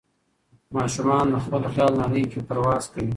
ماشومان د خپل خیال نړۍ کې پرواز کوي.